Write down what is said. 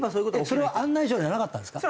それは案内所ではなかったんですか？